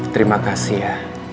terima kasih ya